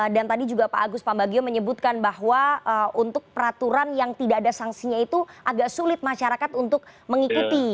dan tadi juga pak agus pambagio menyebutkan bahwa untuk peraturan yang tidak ada sanksinya itu agak sulit masyarakat untuk mengikuti